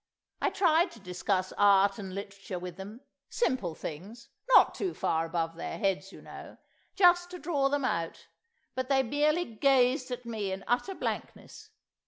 I tried to discuss Art and Literature with them—simple things, not too far above their heads, you know, just to draw them out; but they merely gazed at me in utter blankness.